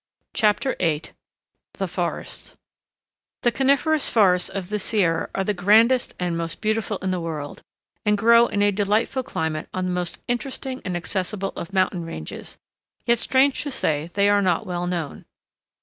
CHAPTER VIII THE FORESTS The coniferous forests of the Sierra are the grandest and most beautiful in the world, and grow in a delightful climate on the most interesting and accessible of mountain ranges, yet strange to say they are not well known.